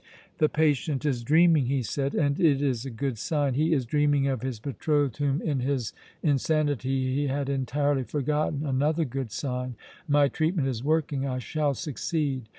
"The patient is dreaming," he said, "and it is a good sign he is dreaming of his betrothed whom in his insanity he had entirely forgotten another good sign! My treatment is working! I shall succeed!"